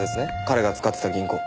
彼が使ってた銀行。